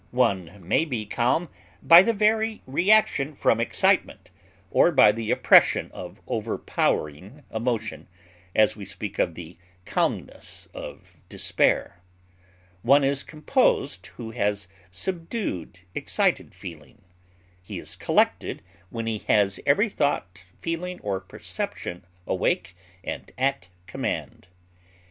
One may be calm by the very reaction from excitement, or by the oppression of overpowering emotion, as we speak of the calmness of despair. One is composed who has subdued excited feeling; he is collected when he has every thought, feeling, or perception awake and at command.